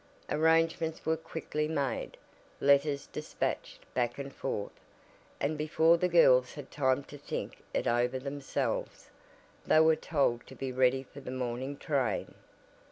Arrangements were quickly made, letters dispatched back and forth, and before the girls had time to think it over themselves, they were told to be ready for the morning train.